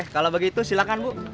kalau begitu silahkan bu